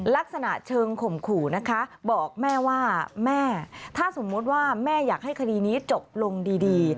ลักษณะเชิงข่มขู่นะคะบอกแม่ว่าแม่ถ้าสมมุติว่าแม่อยากให้คดีนี้จบลงดี